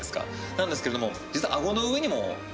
なんですけれども実は。